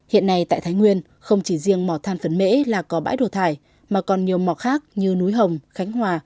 hiện nay tại thái nguyên không chỉ riêng mò than phấn mễ là có bãi đổ thải mà còn nhiều mỏ khác như núi hồng khánh hòa